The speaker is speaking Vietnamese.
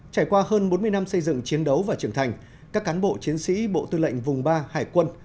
trải qua hơn bốn mươi năm xây dựng chiến đấu và trưởng thành các cán bộ chiến sĩ bộ tư lệnh vùng ba hải quân